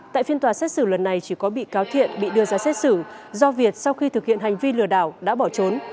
tại phiên tòa xét xử lần này chỉ có bị cáo thiện bị đưa ra xét xử do việt sau khi thực hiện hành vi lừa đảo đã bỏ trốn